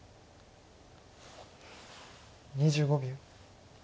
２５秒。